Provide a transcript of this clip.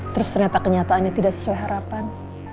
terus ternyata kenyataannya tidak sesuai harapan